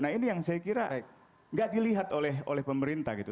nah ini yang saya kira nggak dilihat oleh pemerintah gitu